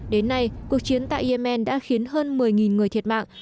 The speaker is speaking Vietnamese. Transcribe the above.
đến nay cuộc chiến tại yemen đã khiến hơn một mươi người thiệt mạng